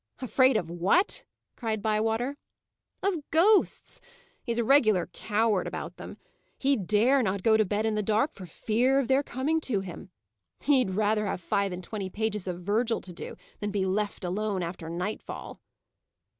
"Afraid of what?" cried Bywater. "Of ghosts. He's a regular coward about them. He dare not go to bed in the dark for fear of their coming to him. He'd rather have five and twenty pages of Virgil to do, than he'd be left alone after nightfall."